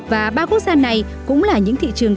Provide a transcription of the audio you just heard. và ba quốc gia này cũng là những thị trường